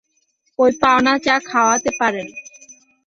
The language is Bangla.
ঐ পাওনা চা খাওয়াতে পারেন।